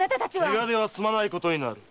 怪我では済まないことになる。